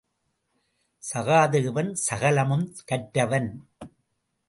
சகாதேவன் சகலமும் கற்றவன்.